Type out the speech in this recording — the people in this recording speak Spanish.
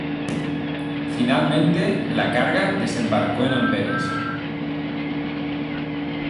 Finalmente la carga desembarcó en Amberes.